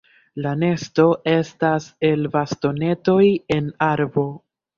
La nesto estas el bastonetoj en arbo.